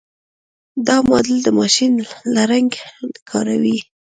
دا ماډل د ماشین لرنګ کاروي.